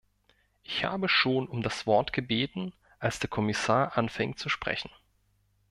Ich habe schon um das Wort gebeten, als der Kommissar anfing zu sprechen.